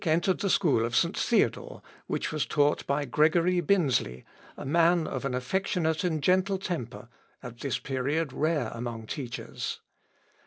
] Ulric entered the school of St. Theodore, which was taught by Gregory Binzli, a man of an affectionate and gentle temper, at this period rare among teachers.